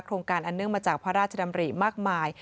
การอันเนื่องมาจากพระราชดำริมากมาย